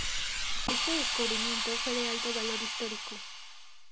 Este descubrimiento fue de alto valor histórico.